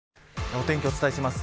お天気、お伝えします。